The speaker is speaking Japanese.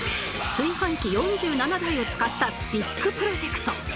炊飯器４７台を使ったビッグプロジェクト